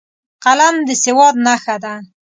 قلم د سواد نښه ده